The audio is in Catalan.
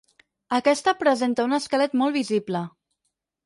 Aquesta presenta un esquelet molt visible.